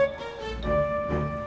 kamu mau ke rumah